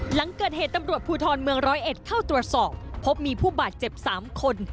หลังเกิดเหตุตำรวจภูทรเมืองร้อยเอ็ดเข้าตรวจสอบพบมีผู้บาดเจ็บ๓คน